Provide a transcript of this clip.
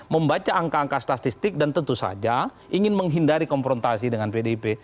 membaca angka angka statistik dan tentu saja ingin menghindari konfrontasi dengan pdip